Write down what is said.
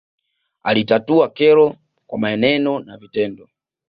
alitatua kero kwa maneno na vitendo